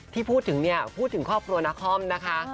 ที่พูดถึงเนี่ยพูดถึงครอบครัวนาคอมนะคะ